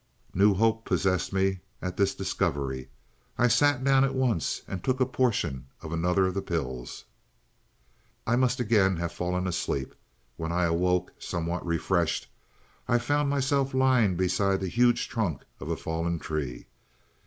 "New hope possessed me at this discovery. I sat down at once and took a portion of another of the pills. "I must again have fallen asleep. When I awoke, somewhat refreshed, I found myself lying beside the huge trunk of a fallen tree.